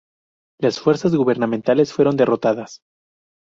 Las fuerzas gubernamentales fueron derrotadas.